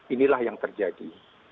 inilah yang terjadi